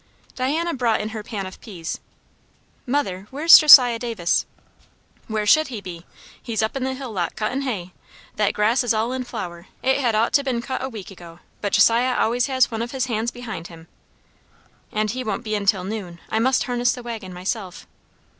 Diana brought in her pan of peas. "Mother, where's Josiah Davis?" "Where should he be? He's up in the hill lot, cuttin' hay. That grass is all in flower; it had ought to been cut a week ago; but Josiah always has one of his hands behind him." "And he won't be in till noon. I must harness the waggon myself."